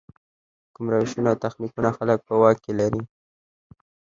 کوم روشونه او تخنیکونه خلک په واک کې لري.